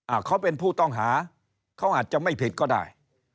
เขาเป็นผู้ต้องหาเขาอาจจะไม่ผิดก็ได้